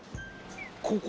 ここ？